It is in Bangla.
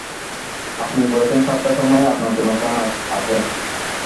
আপনি বলেছেন, সাতটার সময় আপনার জন্যে চা আসে।